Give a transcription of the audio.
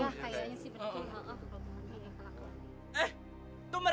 iya kayaknya sih bener